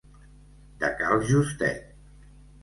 De cal Justet.